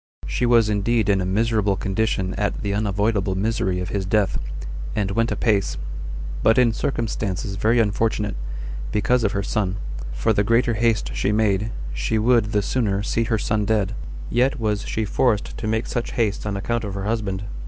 She was indeed in a miserable condition at the unavoidable misery of his death, and went apace, but in circumstances very unfortunate, because of her son: for the greater haste she made, she would the sooner see her son dead, yet was she forced to make such haste on account of her husband.